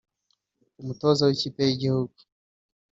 umutoza w’ikipe y’igihugu